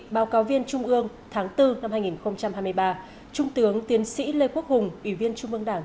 báo cáo viên trung ương tháng bốn năm hai nghìn hai mươi ba trung tướng tiến sĩ lê quốc hùng ủy viên trung ương đảng